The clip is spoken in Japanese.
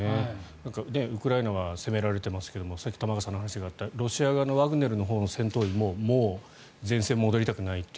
ウクライナは攻められてますがさっき玉川さんの話にあったロシア側のワグネルの戦闘員ももう前線に戻りたくないと。